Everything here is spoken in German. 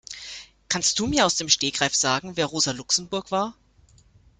Kannst du mir aus dem Stegreif sagen, wer Rosa Luxemburg war?